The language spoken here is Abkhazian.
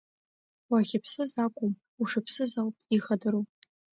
Уахьыԥсыз акәым, ушыԥсыз ауп ихадароу…